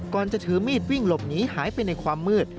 จะถือมีดวิ่งหลบหนีหายไปในความมืด